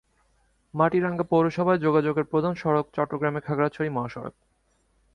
মাটিরাঙ্গা পৌরসভায় যোগাযোগের প্রধান সড়ক চট্টগ্রাম-খাগড়াছড়ি মহাসড়ক।